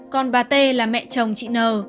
còn bà t là mẹ chồng chị n